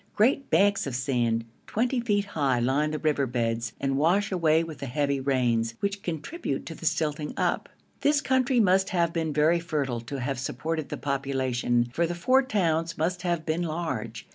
Great banks of sand 20 feet high line the river beds, and wash away with the heavy rains, which contribute to the silting up. This country must have been very fertile to have supported the population, for the four towns must have been large.